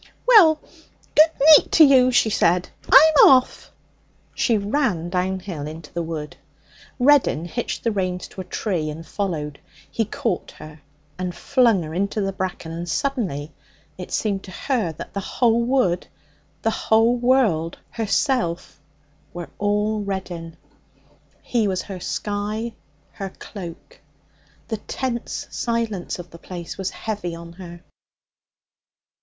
'Well, good neet to you,' she said. 'I'm off.' She ran downhill into the wood. Reddin hitched the reins to a tree and followed. He caught her and flung her into the bracken, and suddenly it seemed to her that the whole world, the woods, herself, were all Reddin. He was her sky, her cloak. The tense silence of the place was heavy on her.